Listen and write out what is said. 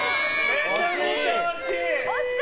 めちゃめちゃ惜しい！